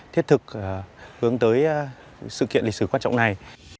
thiết thực hướng tới sự kiện lịch sử quan trọng này